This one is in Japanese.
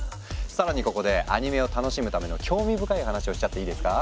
更にここでアニメを楽しむための興味深い話をしちゃっていいですか？